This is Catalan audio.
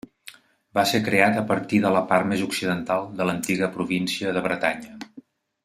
Va ser creat a partir de la part més occidental de l'antiga província de Bretanya.